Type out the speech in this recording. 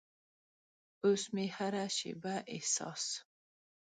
اوس مې هره شیبه احساس